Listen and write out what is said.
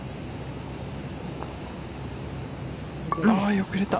よく入れた。